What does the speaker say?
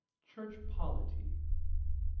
CHURCH POLITY I.